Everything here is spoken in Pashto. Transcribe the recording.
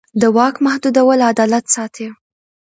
د واک محدودول عدالت ساتي